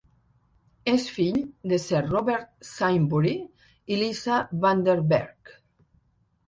És fill de Sir Robert Sainsbury i Lisa van den Bergh.